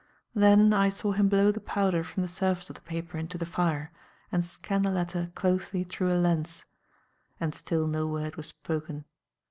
Then I saw him blow the powder from the surface of the paper into the fire and scan the letter closely through a lens. And still no word was spoken.